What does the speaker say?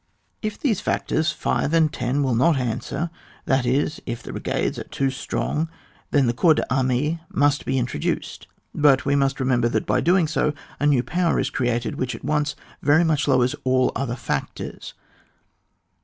14 ON WAR. [book v. If these factors, five and ten, will not answer, that is, if the brigades are too strong, then corps Sannee must be intro duced ; but we must remember that by BO doing, a new power is created, which at once very much lowers all other factors.